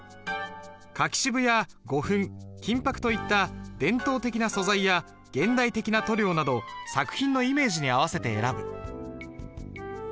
柿渋や胡粉金箔といった伝統的な素材や現代的な塗料など作品のイメージに合わせて選ぶ。